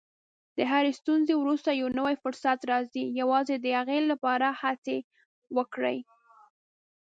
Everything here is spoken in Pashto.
د هرې ستونزې وروسته یو نوی فرصت راځي، یوازې د هغې لپاره هڅه وکړئ.